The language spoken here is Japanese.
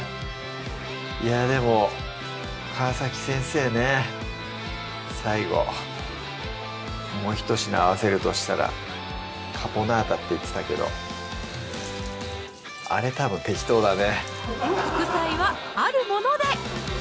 いやぁでも川先生ね最後もうひと品合わせるとしたら「カポナータ」って言ってたけどあれたぶん適当だね副菜はあるもので！